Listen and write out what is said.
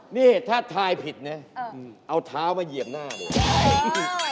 นี่ถ้าทายผิดนะเอาเท้ามาเหยียบหน้าเลย